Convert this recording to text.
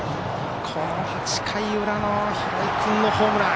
この８回裏の平井君のホームラン